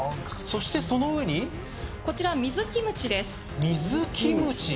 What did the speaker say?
そしてその上にこちら水キムチです水キムチ？